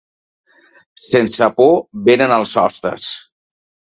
Sense por venen els hostes.